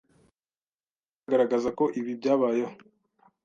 Amateka agaragaza ko ibi byayeho